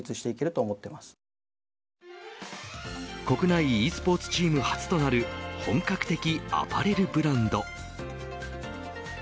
国内ｅスポーツチーム初となる本格的アパレルブランド。